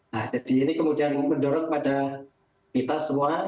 nah jadi ini kemudian mendorong pada kita semua